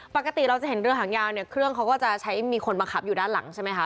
ปกติเราจะเห็นเรือหางยาวเนี่ยเครื่องเขาก็จะใช้มีคนบังคับอยู่ด้านหลังใช่ไหมคะ